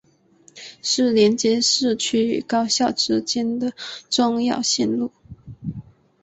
是连接市区与高校之间的重要线路。